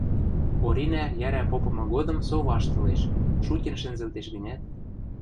Оринӓ йӓрӓ попымы годым со ваштылеш, шутен шӹнзӹлтеш гӹнят